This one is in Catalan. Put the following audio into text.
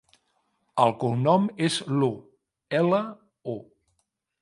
El cognom és Lu: ela, u.